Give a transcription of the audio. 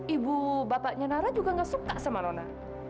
ibu bapaknya nara juga gak suka sama nona